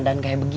sampai jumpa lagi